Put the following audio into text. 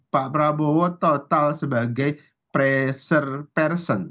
pak prabowo total sebagai pressure person